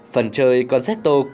phần chơi concerto